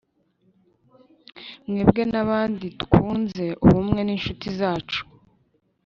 mwebwe n'abandi twunze ubumwe n'incuti zacu